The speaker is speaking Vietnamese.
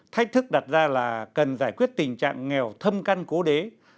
thách thức đặt ra là cần giải quyết tình trạng nghèo thâm căn cố đế